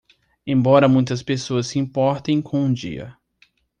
Embora muitas pessoas se importem com o dia